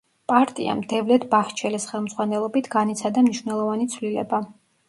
პარტიამ, დევლეთ ბაჰჩელის ხელმძღვანელობით, განიცადა მნიშვნელოვანი ცვლილება.